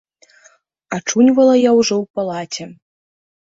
Ачуньвала я ўжо ў палаце.